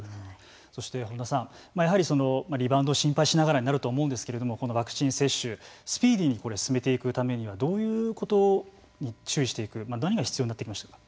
そして本多さんやはりリバウンドを心配しながらになると思うんですけれどもこのワクチン接種スピーディーに進めていくためにはどういうことに注意していく何が必要になってきますか。